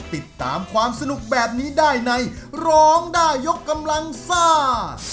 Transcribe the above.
ติดตามความสนุกแบบนี้ได้ในร้องได้ยกกำลังซ่า